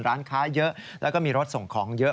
ร้านค้าเยอะแล้วก็มีรถส่งของเยอะ